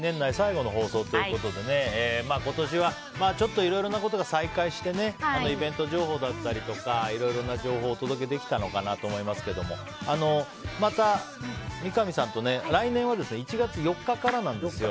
今年はいろいろなことが再開してイベント情報だったりいろいろな情報をお届けできたのかなと思いますけどまた三上さんと、来年は１月４日からなんですよ。